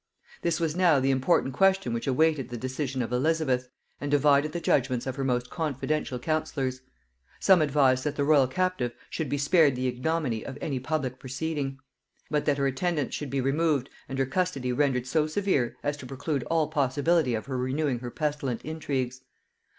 This was now the important question which awaited the decision of Elizabeth, and divided the judgements of her most confidential counsellors. Some advised that the royal captive should be spared the ignominy of any public proceeding; but that her attendants should be removed, and her custody rendered so severe as to preclude all possibility of her renewing her pestilent intrigues.